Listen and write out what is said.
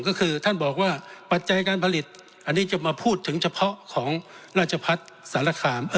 ก็คือท่านบอกว่าปัจจัยการผลิตอันนี้จะมาพูดถึงเฉพาะของราชพัฒน์สารคาม